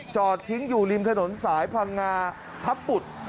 จอดทิ้งอยู่ริมถนนสายพังงาพับบุตร